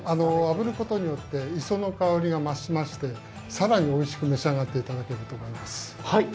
あぶることによって磯の香りがましまして更においしく召し上がっていただけると思います。